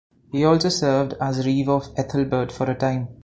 He also served as reeve of Ethelbert for a time.